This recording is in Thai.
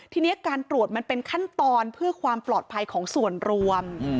ทีนี้การตรวจมันเป็นขั้นตอนเพื่อความปลอดภัยของส่วนรวม